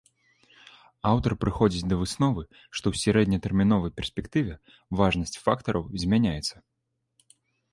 Аўтар прыходзіць да высновы, што ў сярэднетэрміновай перспектыве важнасць фактараў змяняецца.